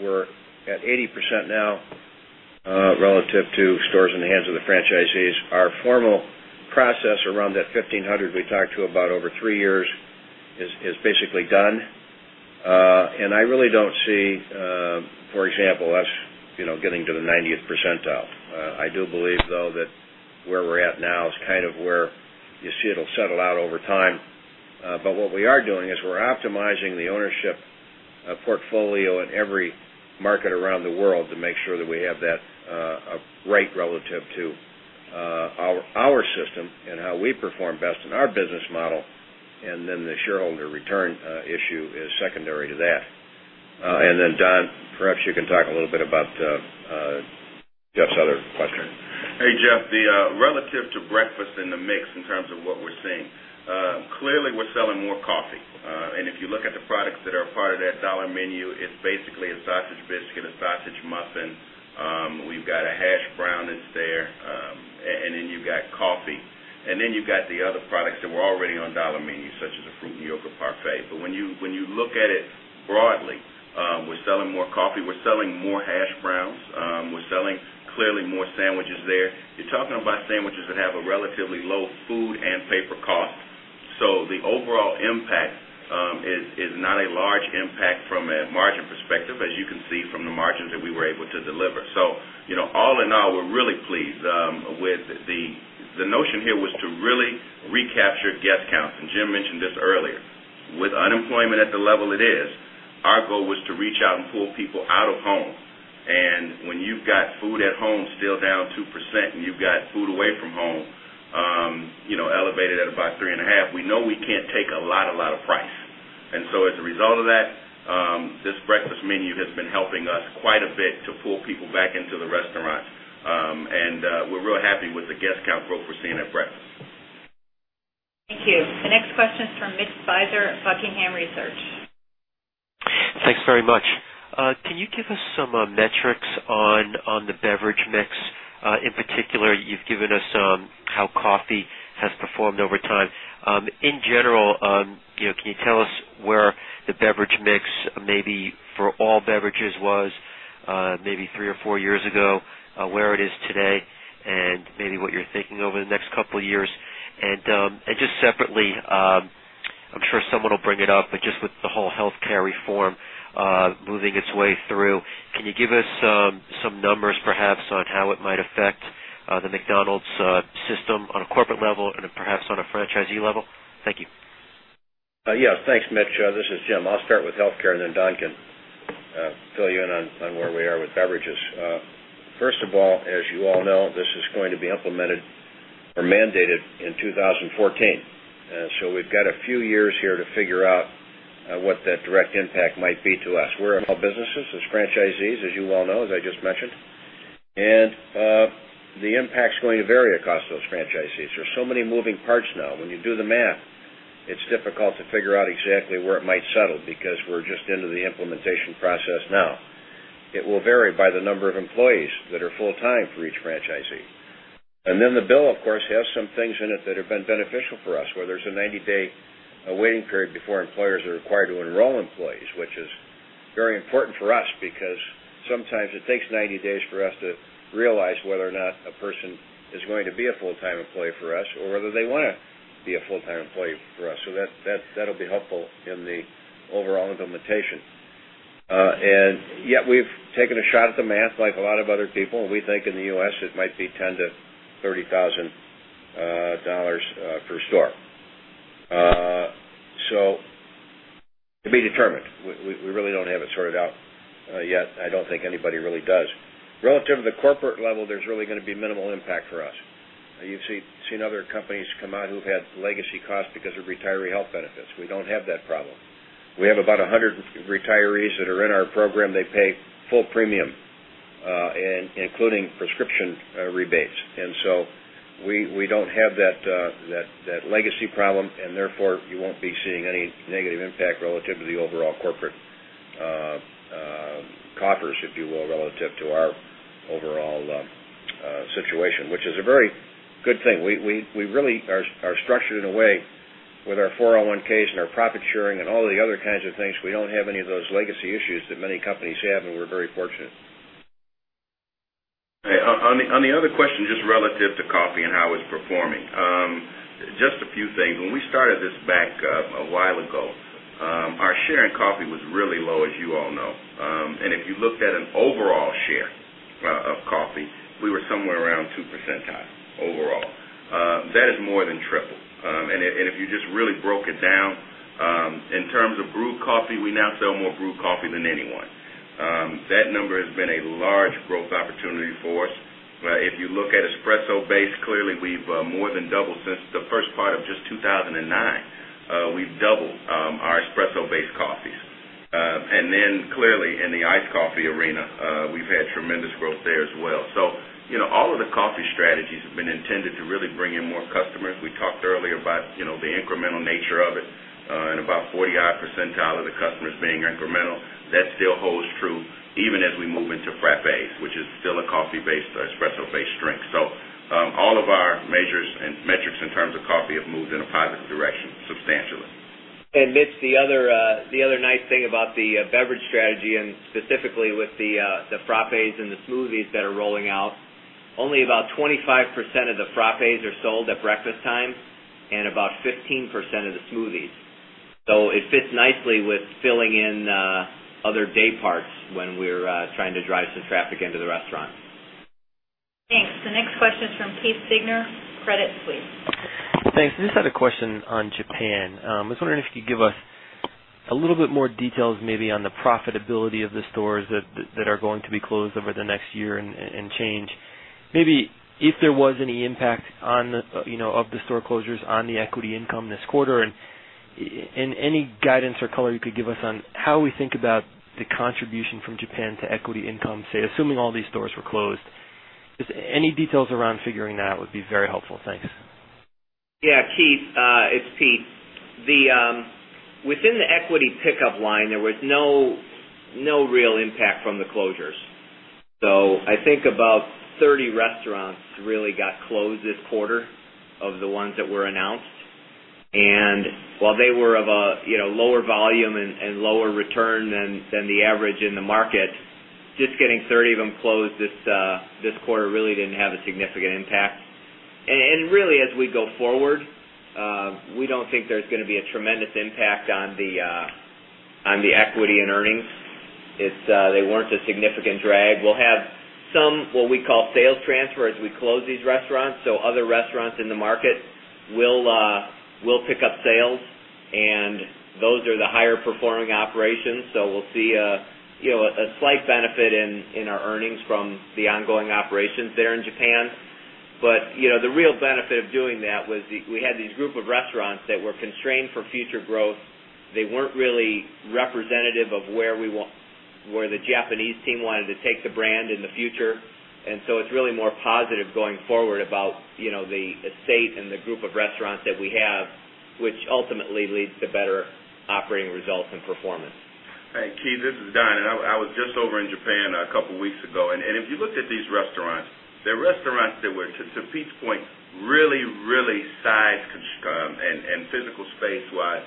We're at 80% now relative to stores in the hands of the franchisees. Our formal process around that 1500 we talked to about over 3 years is basically done. And I really don't see, for example, us getting to the 90th percentile. I do believe though that where we're at now is kind of where you see it will settle out over time. But what we are doing is we're optimizing the ownership portfolio in every market around the world to make sure that we have that rate relative to our system and how we perform best in our business model. And then the shareholder return issue is secondary to that. And then Don perhaps you can talk a little bit about Jeff's other question. Hey, Jeff. The relative to breakfast in the mix in terms of what we're seeing, clearly we're selling more coffee. And if you look at the products that are part of that dollar menu, it's basically a sausage biscuit, a sausage muffin. We've got a hash brown that's there and then you've got coffee. And then you've got the other products that were already on Dollar Menu such as a fruit and yogurt parfait. But when you look at it broadly, we're selling more coffee, we're selling more hash browns, we're selling clearly more sandwiches there. You're talking about sandwiches that have a relatively low food and paper cost. So the overall impact is not a large impact from a margin perspective as you can see from the margins that we were able to deliver. So all in all, we're really pleased with the notion here was to really recapture guest counts. And Jim mentioned this earlier. With unemployment at the level it is, our goal was to reach out and pull people out of home. And when you've got food at home still down 2% and you've got food away from home elevated at about 3.5%. We know we can't take a lot, a lot of price. And so as a result of that, this breakfast menu has been helping us quite a bit to pull people back into the restaurants. And we're real happy with the guest count growth we're seeing at breakfast. Thank you. The next question is from Mitch Fizer, Buckingham Research. Thanks very much. Can you give us some metrics on the beverage mix? In particular, you've given us how coffee has performed over time. In general, can you tell us where the beverage mix maybe for all beverages was maybe 3 or 4 years ago? Where it is today? And maybe what you're thinking over the next couple of years? And just separately, I'm sure someone will bring it up, but just with the whole health care reform moving its way through, can you give us some numbers perhaps on how it might affect the McDonald's system on a corporate level and perhaps on a franchisee level? Thank you. Yes. Thanks, Mitch. This is Jim. I'll start with Healthcare and then Don can fill you in on where we are with beverages. First of all, as you all know, this is going to be implemented or mandated in 2014. So we've got a few years here to figure out what that direct impact might be to us. We're in all businesses as franchisees as you well know as I just mentioned. And the impact is going to vary across those franchisees. There are so many moving parts now. When you do the math, it's difficult to figure out exactly where it might settle, because we're just into the implementation process now. It will vary by the number of employees that are full time for each franchisee. And then the bill of course has some things in it that have been beneficial for us where there's a 90 day waiting period before employers are required to enroll employees, which is very important for us because sometimes it takes 90 days for us to realize whether or not a person is going to be a full time employee for us or whether they want to be a full time employee for us. So that will be helpful in the overall implementation. And yet we've taken a shot at the math like a lot of other people. We think in the U. S. It might be $10,000 to $30,000 per store. So to be determined, we really don't have it sorted out yet. I don't think anybody really does. Relative to the corporate level, there's really going to be minimal impact for us. You've seen other companies come out who've had legacy costs because of retiree health benefits. We don't have that problem. We have about 100 retirees that are in our program. They pay full premium, including prescription rebates. And so we don't have that legacy problem. And therefore, you won't be seeing any negative impact relative to the overall corporate coffers, if you will, relative to our overall situation, which is a very good thing. We really are structured in a way with our 401s and our profit sharing and all the other kinds of things. We don't have any of those legacy issues that many companies have and we're very fortunate. On the other question just relative to coffee and how it's performing, just a few things. When we started this back a while ago, our share in coffee was really low as you all know. And if you looked at an overall share of coffee, we were somewhere around 2 percentile overall. That is more than triple. And if you just really broke it down, in terms of brewed coffee, we now sell more brewed coffee than anyone. That number has been a large growth opportunity for us. If you look at espresso based, clearly, we've more than doubled since the 1st part of just 2009. We've doubled our espresso based coffees. And then clearly in the iced coffee arena, we've had tremendous growth there as well. So all of the coffee strategies been intended to really bring in more customers. We talked earlier about the incremental nature of it and about 40 odd percentile of the customers being incremental. That still holds true even as we move into frappe, which is still a coffee based espresso based strength. So all of our measures and metrics in terms of coffee have moved in a positive direction substantially. And Mitch the other nice thing about the beverage strategy and specifically with the frappes and the smoothies that are rolling out, only about 25% of the frappes are sold at breakfast time and about 15% of the smoothies. So it fits nicely with filling in other dayparts when we're trying to drive some traffic into the restaurant. Thanks. The next question is from Keith Signer, Credit Suisse. Thanks. I just had a question on Japan. I was wondering if you could give us a little bit more details maybe on the profitability of the stores that are going be closed over the next year and change. Maybe if there was any impact on the of the store closures on the equity income this quarter? And any guidance or color you could give us on how we think about the contribution from Japan to equity income say assuming all these stores were closed? Just any details around figuring that would be very helpful. Thanks. Yeah. Keith, it's Pete. Within the equity pickup line, there was no real impact from the closures. So I think about 30 restaurants really got closed this quarter of the ones that were announced. And while they were of a lower volume lower return than the average in the market, just getting 30 of them closed this quarter really didn't have a significant impact. And really as we go forward, we don't think there's going to be a tremendous impact on the equity and earnings. It's they weren't a significant drag. We'll have some what we call sales transfer as we close these restaurants. So other restaurants in the market will pick up sales and those are the higher performing operations. So we'll see a slight benefit in our earnings from the ongoing operations there in Japan. But the real benefit of doing that was we had these group of restaurants that were constrained for future growth. They weren't really representative of where we where the Japanese team wanted to take the brand in the future. And so it's really more positive going forward about the estate and the group of restaurants that we have, which ultimately leads to better operating results and performance. Keith, this is Don. And I was just over in Japan a couple of weeks ago. And if you looked at these restaurants, the restaurants that were to Pete's point really, really size and physical space wide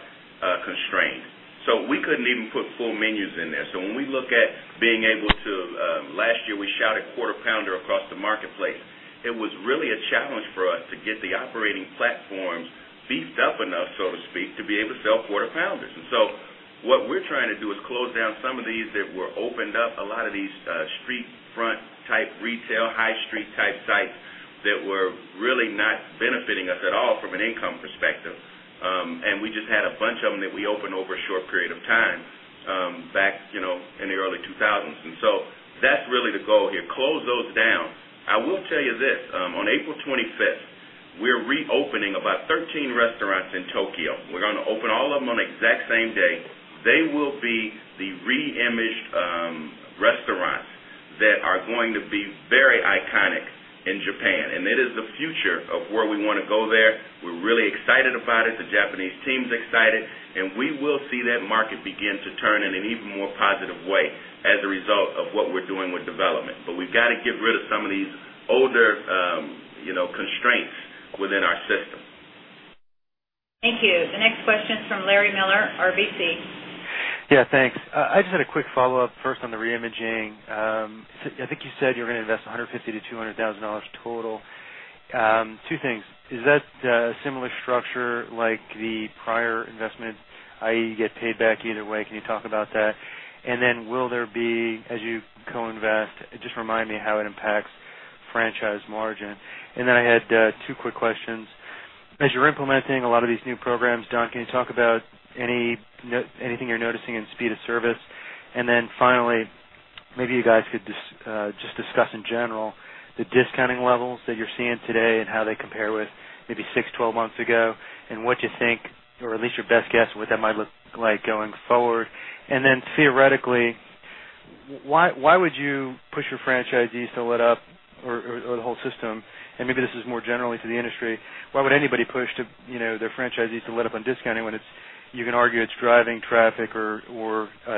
constrained. So we couldn't even put full menus in there. So when we look at being able to last year we shouted Quarter Pounder across the marketplace. It was really a challenge for us to get the operating platforms beefed up enough so to speak to be able to sell quarter pounders. And so what we're trying to do is close down some of these that were opened up a lot of these street front type retail high street type sites that were really not benefiting us at all from an income perspective. And we just had a bunch of them that we opened over a short period of time back in the early 2000s. And so that's really the goal here. Close those down. I will tell you this. On April 25, we are reopening about 13 restaurants in Tokyo. We're going to open all of them on exact same day. They will be the re imaged restaurants that are going to be very iconic in Japan. And that is the future of where we want to go there. We're really excited about it. The Japanese team is excited. And we will see that market begin to turn in an even more positive way as a result of what we're doing with development. But we've got to get rid of some of these older constraints within our system. Thank you. The next question is from Larry Miller, RBC. Yeah, thanks. I just had a quick follow-up first on the reimaging. I think you said you're going to invest $150,000 to $200,000 total. Two things. Is that similar structure like the prior investment I. E. You get paid back either way? Can you talk about that? And then will there be as you co invest just remind me how it impacts franchise margin? And then I had two quick questions. As you're implementing a lot of these new programs, Don, can you talk about any anything you're noticing in speed of service? And then finally, maybe you guys could just discuss in general the discounting levels that you're seeing today and how they compare with maybe 6, 12 months ago? And what you think or at least your best guess what that might look like going forward? And then theoretically, why would you push your franchisee to let up or the whole system? And maybe this is more generally to the industry. Why would anybody push their franchisees to let up on discounting when it's you can argue it's driving traffic or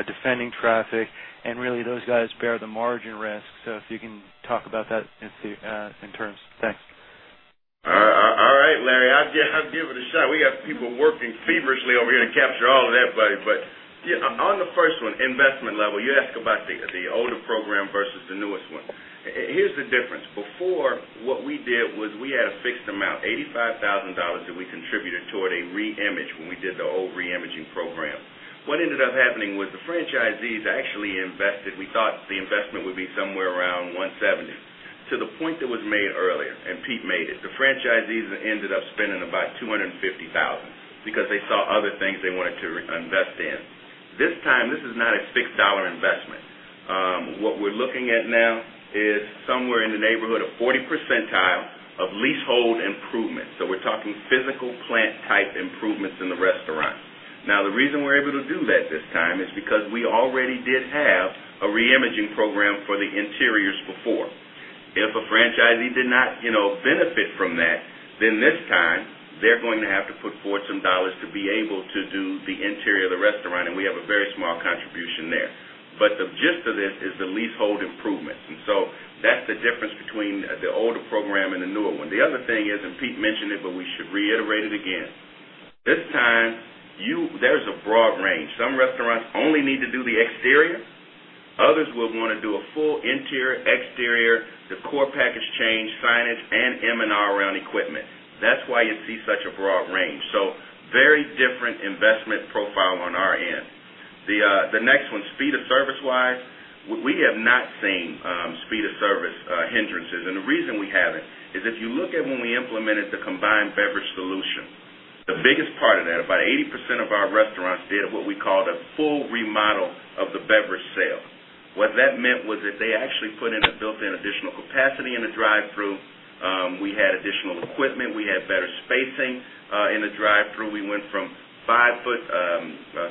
defending traffic and really those guys bear the margin risk. So if you can talk about that in terms? Thanks. All right, Larry. I'll give it a shot. We got people working feverishly over here to capture all of that, buddy. But on the first one, investment level, you asked about the older program versus the newest one. Here's the difference. Before, what we did was we had a fixed amount $85,000 that we contributed toward a re image when we did the old re imaging program. What ended up happening was the franchisees actually invested. We thought the investment would be somewhere around $170,000,000 to the point that was made earlier and Pete made it, the franchisees ended up spending about $250,000 because they saw other things they wanted to invest in. This time, this is not a $6 investment. What we're looking at now is somewhere in the neighborhood of 40 percentile of leasehold improvements. So we're talking physical plant type improvements in the restaurant. Now the reason we're able to do that this time is because we already did have a reimaging program for the interiors before. If a franchisee did not benefit from that, then this time they're going to have to put forth some dollars to be able to do the interior of the restaurant and we have a very small contribution there. But the gist of this is the leasehold improvements. And so that's the difference between the older program and the newer one. The other thing is and Pete mentioned it, but we should reiterate it again. This time you there's a broad range. Some restaurants only need to do the exterior. Others will want to do a full interior, exterior, the core package change, signage and M and R around equipment. That's why you see such a broad range. So very different investment profile on our end. The next one speed of service wise, we have not seen speed of service hindrances. And the reason we haven't is if you look at when we implemented the combined beverage solution, the biggest part of that about 80% of our restaurants did what we called a full remodel of the beverage sale. What that meant was that they actually put in and built in additional capacity in the drive thru. We had additional equipment. We had better spacing in the drive through. We went from 5 foot,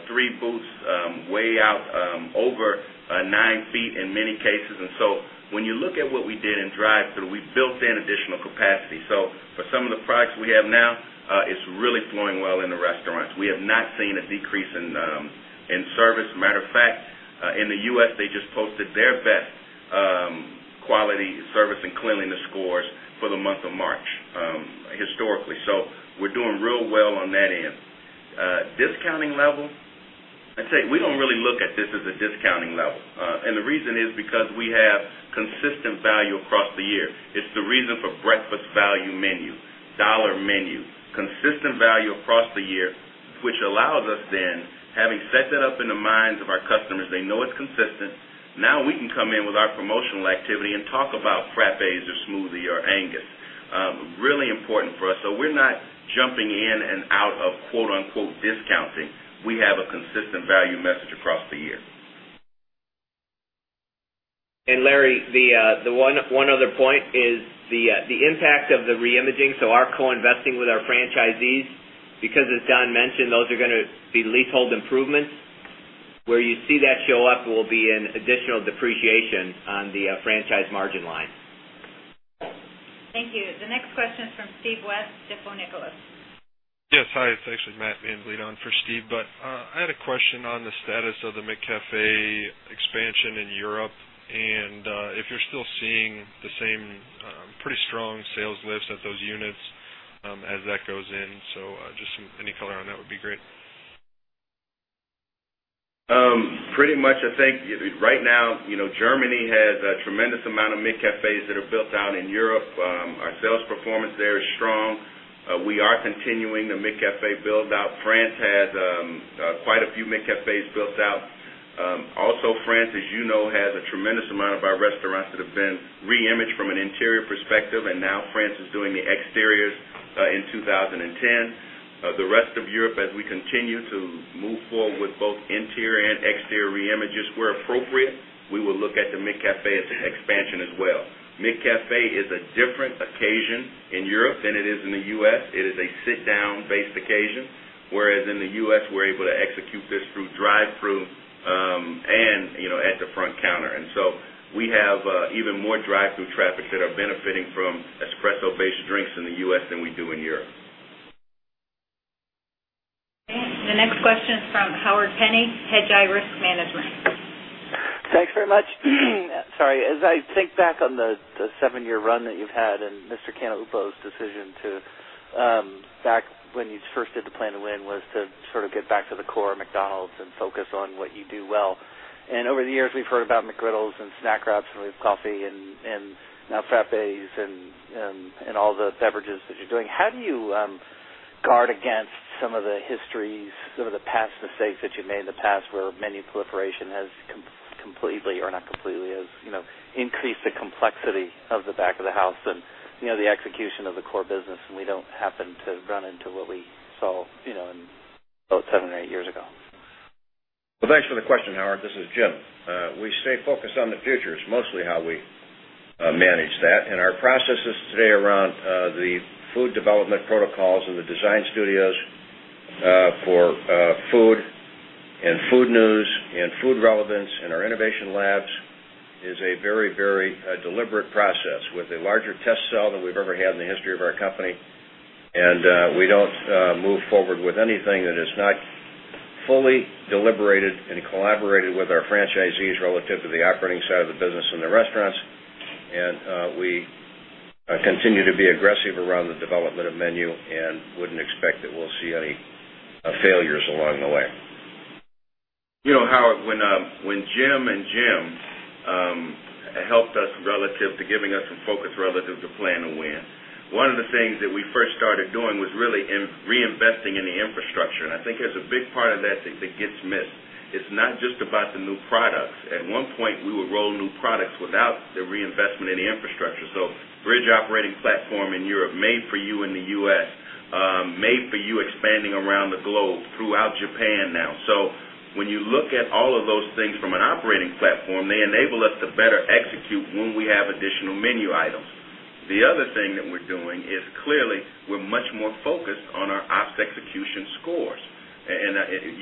3 boots, way out over 9 feet in many cases. And so when you look at what we did in drive thru, we built in additional capacity. So for some of the products we have now, it's really flowing well in the restaurants. We have not seen a decrease in service. As a matter of fact, in the U. S, they just posted their best quality service and cleanliness scores for the month of March historically. So we're doing real well on that end. Discounting level, I'd say we don't really look at this as a discounting level. And the reason is because we have consistent value across the year. It's the reason for breakfast value menu, dollar menu, consistent value across the year, which allows us then having set that up in the minds of our customers, they know it's consistent. Now we can come in with our promotional activity and talk about frappes or smoothie or Angus, really important for us. So we're not jumping in and out of discounting. We have a consistent value message across the year. And Larry, the one other point is the impact of the reimaging, so our co investing with our franchisees, because as Don mentioned those are going to be leasehold improvements. Where you see that show up will be an additional depreciation on the franchise margin line. Thank you. The next question is from Steve West, Stifel Nicolaus. Yes. Hi. It's actually Matt Van Vliet on for Steve. But I had a question on status of the McCafe expansion in Europe and if you're still seeing the same pretty strong sales lifts at those units as that goes in. So just any color on that would be great. Pretty much I think right now Germany has a tremendous amount of mid cafes that are built out in Europe. Our sales performance there is strong. We are continuing the McCafe build out. France has quite a few McCafe's built out. Also France, as you know, has a tremendous amount of our restaurants that have been re imaged from an interior perspective and now France is doing the exteriors in 2010. The rest of Europe as we continue to move forward with both interior and exterior images where appropriate, we will look at the McCafe as an expansion as well. McCafe is a different occasion in Europe than it is in the U. S. It is a sit down based occasion whereas in the U. S. We're able to execute this through drive thru and at the front counter. And so we have even more drive thru traffic that are benefiting from espresso based drinks in the U. S. Than we do in Europe. The next question is from Howard Penny, Hedge Iris Management. Thanks very much. Sorry. As I think back on the 7 year run that you've had and Mr. Cannupo's decision to back when you first did the plan to win was to sort of get back to the core of McDonald's and focus on what you do well. And over the years, we've heard about McGriddles and Snack Wraps and Leaf Coffee and now Frappes and all the beverages that you're doing. How do you guard against some of the histories, some of the past mistakes that you made in the past where menu proliferation has completely or not completely as increased the complexity of the back of the house and the execution of the core business and we don't happen to run into what we saw about 7 or 8 years ago? Well, thanks for the question, Howard. This is Jim. We stay focused on the future. It's mostly how we manage that. And our processes today around the food development protocols and the design studios for food and food news and food relevance and our innovation labs is a very, very deliberate process with a larger test cell than we've ever had in the history of our company. And we don't move forward with anything that is not fully deliberated and collaborated with our franchisees relative to the operating side of the business and the restaurants. And we continue to be aggressive around the development of menu and wouldn't expect that we'll see any failures along the way. Howard, when Jim and Jim helped us relative to giving us some focus relative to plan to win. One of the things that we first started doing was really reinvesting in the infrastructure. And I think there's a big part of that thing that gets missed. It's not just about the new products. At one point, we will roll new products without the reinvestment in the infrastructure. So Bridge operating platform in Europe made for you in the U. S, made for you expanding around the globe throughout Japan now. So when you look at all of those things from an operating platform, they enable us to better execute when we have additional menu items. The other thing that we're doing is clearly we're much more focused on our ops execution scores. And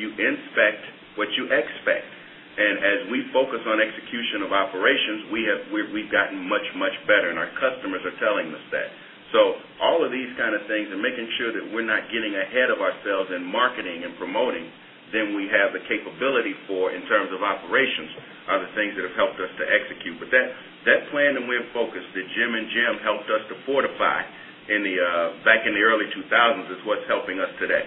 you inspect what you expect. And as we focus on execution of operations, we have we've gotten much, much better and our customers are telling us that. So all of these kind of things and making sure that we're not getting ahead of ourselves in marketing and promoting than we have the capability for in terms of operations are the things that have helped us to execute. But that plan and we are focused that Jim and Jim helped us to fortify in the back in the early 2000s is what's helping us today.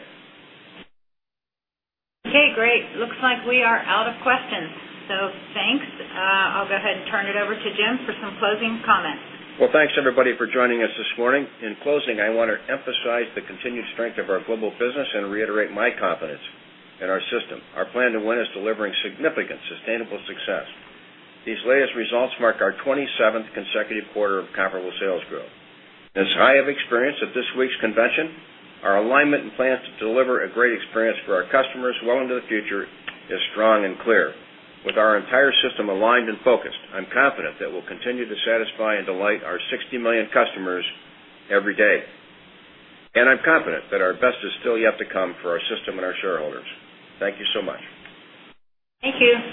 Okay, great. It looks like we are out of questions. So thanks. I'll go ahead and turn it over to Jim for some closing comments. Well, thanks everybody for joining us this morning. In closing, I want to emphasize the continued strength of our global business and reiterate my confidence in our system. Our plan to win is delivering significant sustainable success. These latest results mark our 27th consecutive quarter of comparable sales growth. With our entire system aligned and focused, I'm confident that we'll continue to With our entire system aligned and focused, I'm confident that we'll continue to satisfy and delight our 60,000,000 customers every day. And I'm confident that our best is still yet to come for our system and our shareholders. Thank you so much. Thank you.